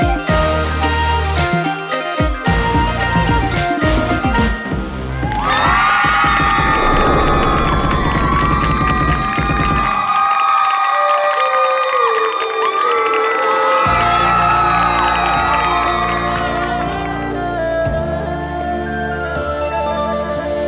สวัสดีครับสวัสดีครับ